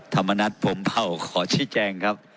ธรรมนัทผมเผ่าขอชิ้นแจ้งครับ